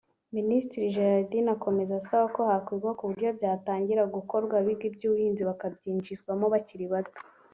Minisitiri Gerardine akomeza asaba ko hakwigwa ku buryo byatangira gukorwa abiga iby’ubuhinzi bakabyinjizwamo bakiri bato